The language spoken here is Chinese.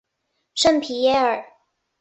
圣皮耶尔。